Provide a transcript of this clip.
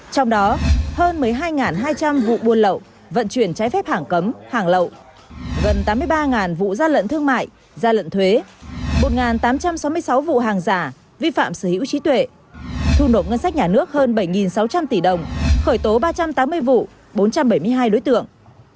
trong đó hơn một mươi hai hai trăm linh vụ buôn lậu vận chuyển trái phép hàng cấm hàng lậu gần tám mươi ba vụ gian lận thương mại gia lận thuế một tám trăm sáu mươi sáu vụ hàng giả vi phạm sở hữu trí tuệ thu nộp ngân sách nhà nước hơn bảy sáu trăm linh tỷ đồng khởi tố ba trăm tám mươi vụ bốn trăm bảy mươi hai đối tượng